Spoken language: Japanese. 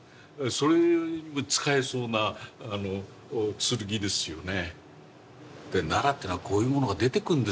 それに使えそうな剣ですよね。